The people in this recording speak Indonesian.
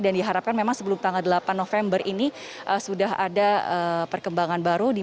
dan diharapkan memang sebelum tanggal delapan november ini sudah ada perkembangan lagi